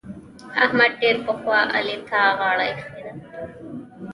احمد ډېر پخوا علي ته غاړه اېښې ده.